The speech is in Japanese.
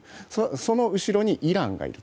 その後ろにイランがいる。